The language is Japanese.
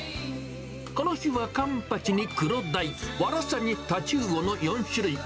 この日は、カンパチにクロダイ、ワラサにタチウオの４種類。